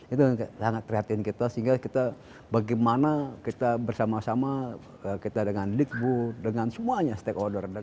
itu sangat prihatin kita sehingga kita bagaimana kita bersama sama kita dengan dikbu dengan semuanya stakeholder